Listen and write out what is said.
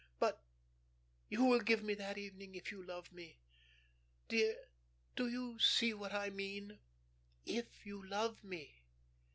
But you will give me that evening if you love me. Dear, do you see just what I mean? ... If you love me....